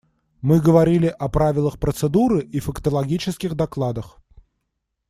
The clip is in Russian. Мы говорили о правилах процедуры и фактологических докладах.